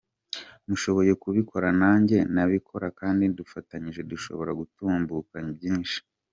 Mushoboye kubikora nanjye nabikora kandi dufatanyije dushobora gutambuka byinshi.